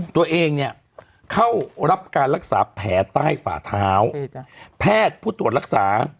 ตัวเองเข้ารับการรักษาแผลใต้ฝ่าเท้าแพทย์พุทธรักษา